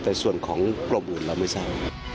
แต่ส่วนของกรมอื่นเราไม่ทราบ